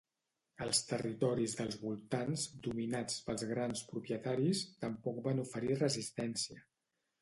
Els territoris dels voltants, dominats pels grans propietaris, tampoc van oferir resistència.